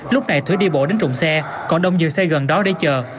lúc này thúy đi bộ đến trụng xe còn đông dừng xe gần đó để chờ